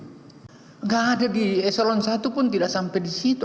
tidak ada di eselon satu pun tidak sampai di situ